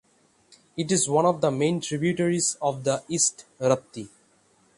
It is one of the main tributaries of the East Rapti.